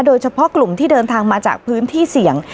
โดยเฉพาะกลุ่มที่เดินทางมาจากพื้นที่เสี่ยง